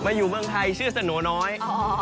อยู่เมืองไทยชื่อสโนน้อย